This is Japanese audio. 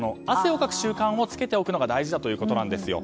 汗をかく習慣をつけておくのが大事だということなんです。